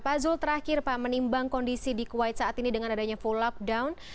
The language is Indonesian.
pak zul terakhir pak menimbang kondisi di kuwait saat ini dengan adanya full lockdown